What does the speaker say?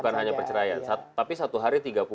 bukan hanya perceraian tapi satu hari tiga puluh